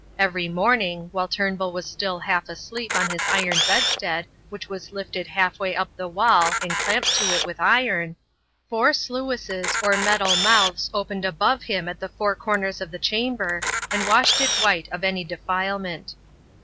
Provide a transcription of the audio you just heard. Every morning, while Turnbull was still half asleep on his iron bedstead which was lifted half way up the wall and clamped to it with iron, four sluices or metal mouths opened above him at the four corners of the chamber and washed it white of any defilement.